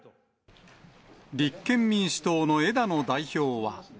立憲民主党の枝野代表は。